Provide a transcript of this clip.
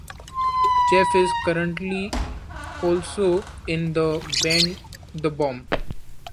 Jeff is currently also in the band The Bomb.